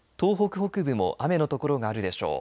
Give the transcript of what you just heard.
東北北部も雨の所があるでしょう。